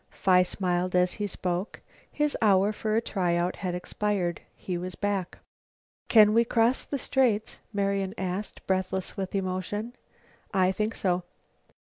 Phi smiled as he spoke. His hour for a try out had expired. He was back. "Can can we cross the Straits?" Marian asked, breathless with emotion. "I think so."